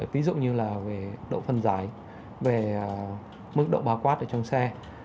ví dụ như là về độ phân giải về mức độ bao quát ở trong xe